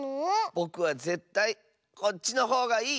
ぼくはぜったいこっちのほうがいい！